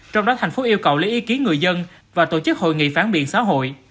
trong đó thành phố yêu cầu lấy ý kiến người dân và tổ chức hội nghị phán biện xã hội